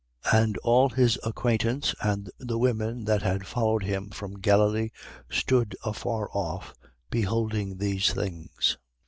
23:49. And all his acquaintance and the women that had followed him from Galilee stood afar off, beholding these things.